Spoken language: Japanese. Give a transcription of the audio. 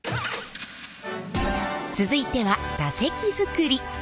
続いては座席作り。